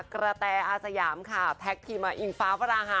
กระแตอาสยามค่ะแท็กทีมมาอิงฟ้าฝราหา